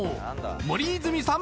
森泉さん